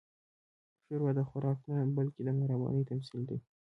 ښوروا د خوراک نه، بلکې د مهربانۍ تمثیل دی.